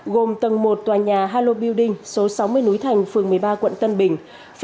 gồm tầng một tòa nhà halo building số sáu mươi núi thành phường một mươi ba quận tân bình